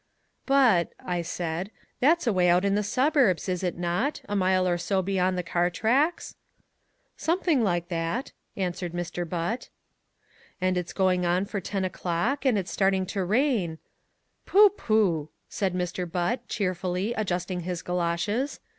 "But," I said, "that's away out in the suburbs, is it not, a mile or so beyond the car tracks?" "Something like that," answered Mr. Butt. "And it's going on for ten o'clock and it's starting to rain " "Pooh, pooh," said Mr. Butt, cheerfully, adjusting his galoshes.